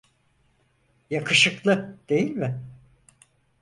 Yakışıklı, değil mi?